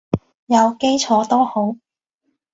有基礎都好